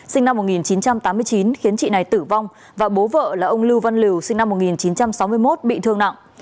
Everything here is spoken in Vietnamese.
sinh năm một nghìn chín trăm tám mươi chín khiến chị này tử vong và bố vợ là ông lưu văn liều sinh năm một nghìn chín trăm sáu mươi một bị thương nặng